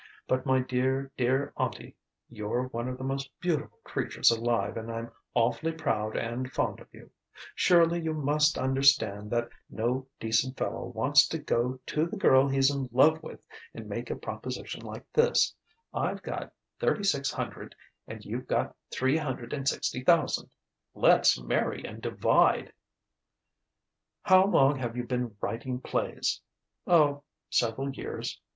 "But, my dear, dear aunty (you're one of the most beautiful creatures alive and I'm awfully proud and fond of you) surely you must understand that no decent fellow wants to go to the girl he's in love with and make a proposition like this: 'I've got thirty six hundred and you've got three hundred and sixty thousand; let's marry and divide.'" "How long have you been writing plays?" "Oh ... several years."